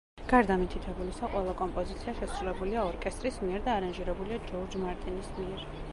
გარდა მითითებულისა, ყველა კომპოზიცია შესრულებულია ორკესტრის მიერ და არანჟირებულია ჯორჯ მარტინის მიერ.